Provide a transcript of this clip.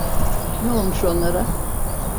Ne olmuş onlara?